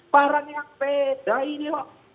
barang yang beda ini